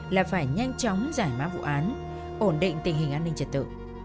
là phải nhanh chóng giải mã vụ án ổn định tình hình an ninh trật tự